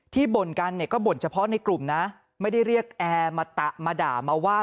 บ่นกันเนี่ยก็บ่นเฉพาะในกลุ่มนะไม่ได้เรียกแอร์มาด่ามาว่า